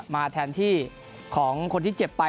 มาแทนที่ของคนที่เจ็บไป